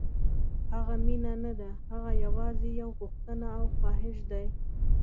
هغه مینه نه ده، هغه یوازې یو غوښتنه او خواهش دی.